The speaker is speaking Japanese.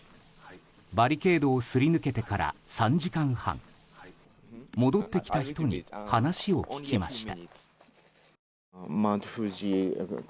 バリケードをすり抜けてから３時間半戻ってきた人に話を聞きました。